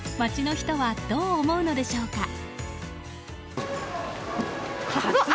街の人は、どう思うのでしょうか。